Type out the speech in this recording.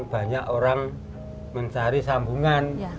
banyak orang mencari sambungan